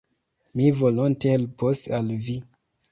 Mi volonte helpos al vi.